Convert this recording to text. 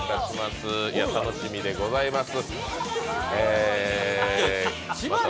楽しみでございます。